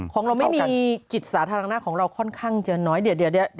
ของเราไม่มีจิตสาธารณะของเราค่อนข้างจะน้อยเดี๋ยว